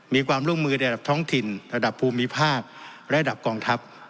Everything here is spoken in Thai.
มีความร่วมมือในระดับท้องถิ่นระดับภูมิภาคระดับกองทัพ